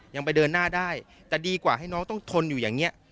ยังไปเดินหน้าได้แต่ดีกว่าให้น้องต้องทนอยู่อย่างนี้